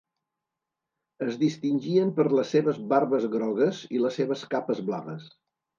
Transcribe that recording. Es distingien per les seves barbes grogues i les seves capes blaves.